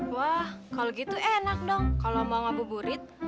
wah kalau gitu enak dong kalau mau ngabur burit